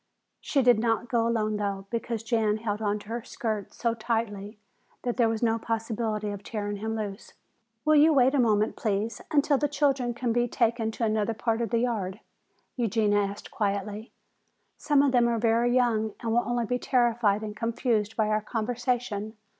She did not go alone though, because Jan held on to her skirts so tightly that there was no possibility of tearing him loose. "Will you wait a moment, please, until the children can be taken to another part of the yard?" Eugenia asked quietly. "Some of them are very young and will only be terrified and confused by our conversation.